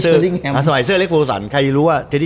เพราะแมลิเคนก็เหมาะกับแมลิเยานะ